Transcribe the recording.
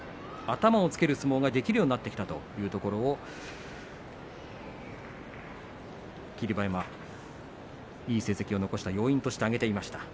頭をつける相撲ができるようになってきたというところを霧馬山、いい成績を残した要因として挙げていました。